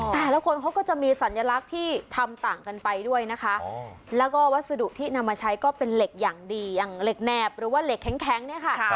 แต่ละคนเขาก็จะมีสัญลักษณ์ที่ทำต่างกันไปด้วยนะคะแล้วก็วัสดุที่นำมาใช้ก็เป็นเหล็กอย่างดีอย่างเหล็กแนบหรือว่าเหล็กแข็งเนี่ยค่ะ